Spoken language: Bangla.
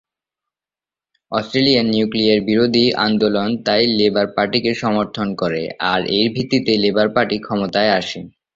অস্ট্রেলিয়ার নিউক্লিয়ার বিরোধী আন্দোলন তাই লেবার পার্টিকে সমর্থন করে আর এর ভিত্তিতে লেবার পার্টি ক্ষমতায় আসে।